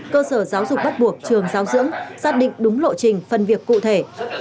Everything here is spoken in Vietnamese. cơ sở giáo dục bắt buộc trường giáo dưỡng xác định đúng lộ trình phân việc cụ thể